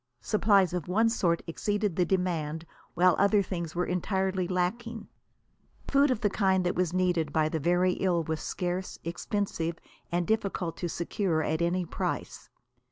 Supplies of one sort exceeded the demand, while other things were entirely lacking. Food of the kind that was needed by the very ill was scarce, expensive and difficult to secure at any price.